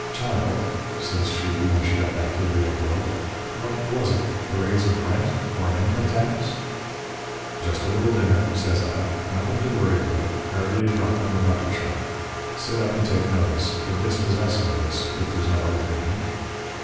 "'Child,' says she, when she got back to the world, 'what was it? A raise of rent or an income tax?' "'Just a little dinner,' says I. 'Nothing to worry about hardly a drop in the bucket shop. Sit up and take notice a dispossess notice, if there's no other kind.'